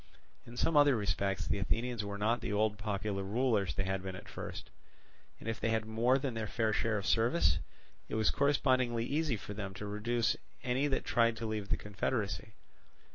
In some other respects the Athenians were not the old popular rulers they had been at first; and if they had more than their fair share of service, it was correspondingly easy for them to reduce any that tried to leave the confederacy.